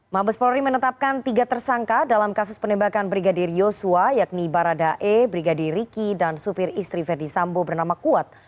mabes polri menetapkan tiga tersangka dalam kasus penembakan brigadir yosua yakni baradae brigadir riki dan supir istri verdi sambo bernama kuat